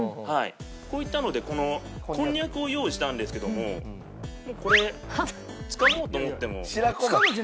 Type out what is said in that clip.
こういったのでこんにゃくを用意したんですけどもこれつかもうと思っても。